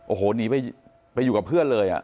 โอ้โหหนีไปอยู่กับเพื่อนเลย